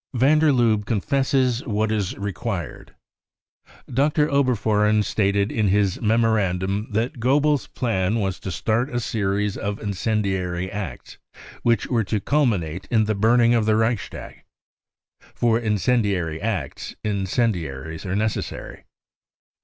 Van der Lubbe Confesses what is Required. Dr. Oberfohren stated in his memorandum that Goebbels 5 plan was to start a series of incendiary acts which were to culminate in the burning of the Reichstag. For incendiary acts incendiaries are necessary.